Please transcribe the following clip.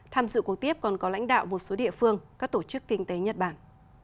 tham dự cuộc tiếp còn có lãnh đạo một số địa phương các tổ chức kinh tế nhật bản